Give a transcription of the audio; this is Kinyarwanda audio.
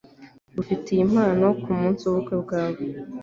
Ngufitiye impano ku munsi w’ubukwe bwawe.